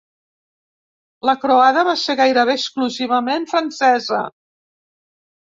La croada va ser gairebé exclusivament francesa.